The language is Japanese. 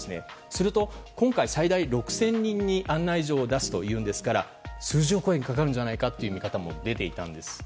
すると今回、最大６０００人に案内状を出すというのですから数十億円かかるんじゃないかという見方も出ていたんです。